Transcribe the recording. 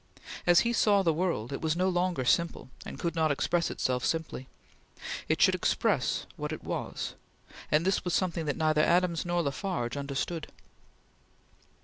As he saw the world, it was no longer simple and could not express itself simply. It should express what it was; and this was something that neither Adams nor La Farge understood.